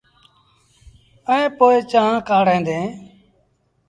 ائيٚݩ پو چآنه ڪآڙيٚن ديٚݩ۔